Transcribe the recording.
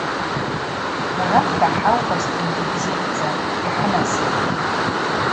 Мурат дгӏахӏаухуазтынгьи бзиддзапӏ, йхӏынасыппӏ.